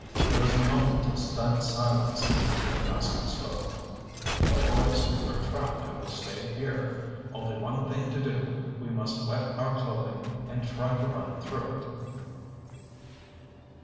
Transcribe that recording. There was a moment of stunned silence. Then Rascomb spoke. "Well, boys, we're trapped if we stay here. Only one thing to do! We must wet our clothing and try to run through it!"